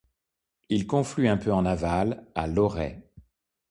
Il conflue un peu en aval, à Lorey.